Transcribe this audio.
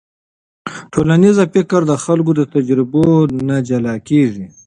ټولنیز فکر د خلکو له تجربو نه جلا کېږي.